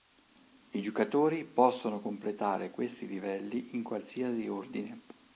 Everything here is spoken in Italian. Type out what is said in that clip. I giocatori possono completare questi livelli in qualsiasi ordine.